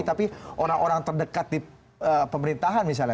tapi orang orang terdekat di pemerintahan misalnya